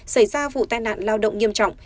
xảy ra vụ tai nạn lao động nghiêm trọng